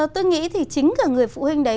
tôi nghĩ thì chính cả người phụ huynh đấy